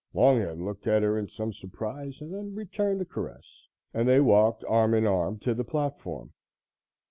Longhead looked at her in some surprise and then returned the caress, and they walked arm in arm to the platform.